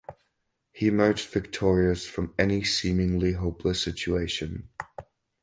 He emerged victorious from any seemingly hopeless situation.